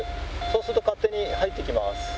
そうすると勝手に入っていきます。